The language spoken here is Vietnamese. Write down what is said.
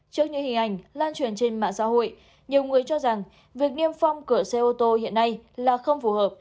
trước những hình ảnh lan truyền trên mạng xã hội nhiều người cho rằng việc niêm phong cửa xe ô tô hiện nay là không phù hợp